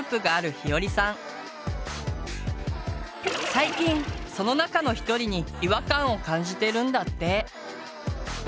最近その中の１人に違和感を感じてるんだって。